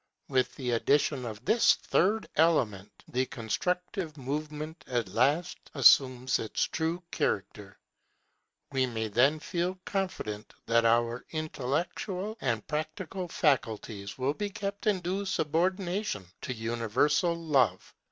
With the addition of this third element, the constructive movement at last assumes its true character. We may then feel confident that our intellectual and practical faculties will be kept in due subordination to universal Love.